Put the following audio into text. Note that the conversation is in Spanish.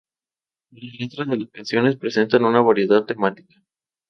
Las letras de las canciones presentan una variedad temática.